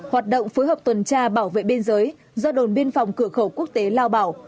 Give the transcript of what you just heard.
hoạt động phối hợp tuần tra bảo vệ biên giới do đồn biên phòng cửa khẩu quốc tế lao bảo